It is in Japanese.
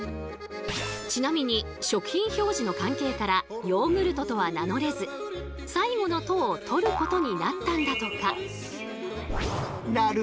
ちなみに食品表示の関係からヨーグルトとは名乗れず最後の「ト」を取ることになったんだとか。